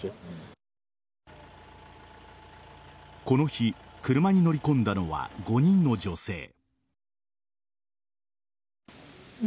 この日車に乗り込んだのは５人の女性。